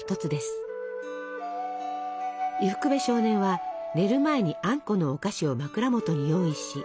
伊福部少年は寝る前にあんこのお菓子を枕元に用意し